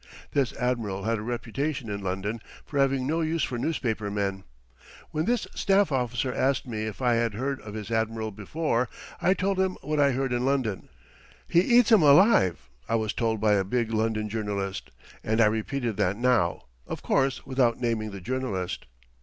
This admiral had a reputation in London for having no use for newspaper men. When this staff officer asked me if I had heard of his admiral before, I told him what I heard in London. "He eats 'em alive," I was told by a big London journalist, and I repeated that now, of course without naming the journalist.